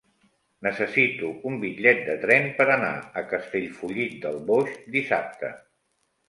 Necessito un bitllet de tren per anar a Castellfollit del Boix dissabte.